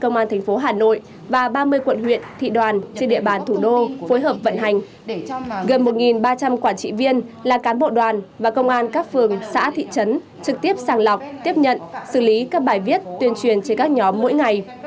gần một ba trăm linh quản trị viên là cán bộ đoàn và công an các phường xã thị trấn trực tiếp sàng lọc tiếp nhận xử lý các bài viết tuyên truyền trên các nhóm mỗi ngày